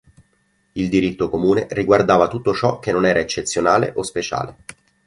Il diritto comune riguardava tutto ciò che non era eccezionale o speciale.